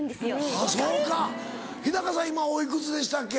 あっそうか日さん今おいくつでしたっけ？